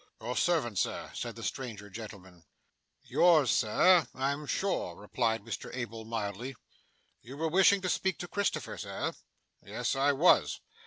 'Your servant, sir,' said the stranger gentleman. 'Yours, sir, I'm sure,' replied Mr Abel mildly. 'You were wishing to speak to Christopher, sir?' 'Yes, I was.